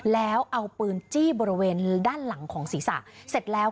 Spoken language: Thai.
แล้วเอาปืนจี้บริเวณด้านหลังของศีรษะเสร็จแล้ว